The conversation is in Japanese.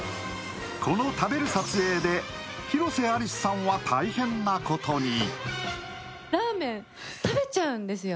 この食べる撮影で広瀬アリスさんは大変なことに。